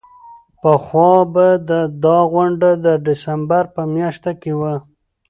پخوا به دا غونډه د ډسمبر په میاشت کې وه.